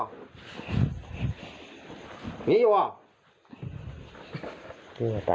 นี่หว่านี่หว่า